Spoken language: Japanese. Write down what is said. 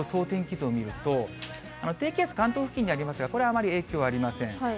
天気図を見ると、低気圧、関東付近にありますが、これあまり影響ありません。